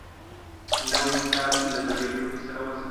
نوی کتاب له زړې پوهې سره وصل لري